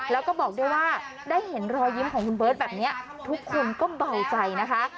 แล้วก็บอกด้วยว่าได้เห็นรอยยิ้มของคุณเบิร์ตแบบนี้ทุกคนก็เบาใจนะคะ